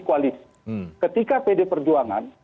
kualis ketika pd perjuangan